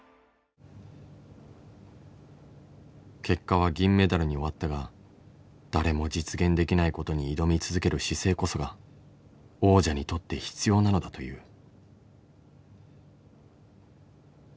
結果は銀メダルに終わったが誰も実現できないことに挑み続ける姿勢こそが王者にとって必要なのだという。